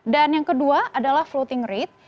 dan yang kedua adalah floating rate